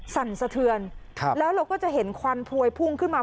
สั่นสะเทือนครับแล้วเราก็จะเห็นควันพวยพุ่งขึ้นมา